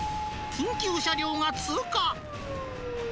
緊急車両が通過。